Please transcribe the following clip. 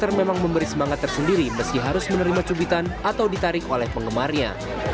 mereka juga mengambil semangat tersendiri meski harus menerima cubitan atau ditarik oleh penggemarnya